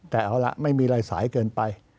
แต่เอาละไม่มีลายสายเกินไป